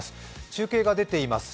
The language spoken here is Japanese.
中継が出ています。